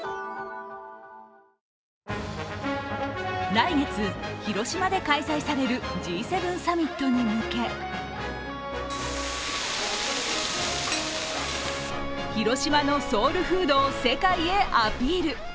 来月、広島で開催されるＧ７サミットに向け広島のソウルフードを世界へアピール。